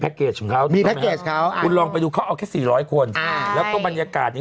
ของเขามีครับคุณลองไปดูเขาเอาแค่สี่ร้อยคนอ่าแล้วก็บรรยากาศนี้